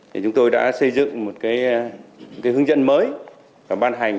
thì chúng tôi đã xây dựng một hướng dẫn mới và ban hành